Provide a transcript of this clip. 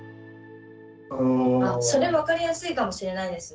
あそれ分かりやすいかもしれないですね。